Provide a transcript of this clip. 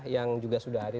yang juga sudah hadir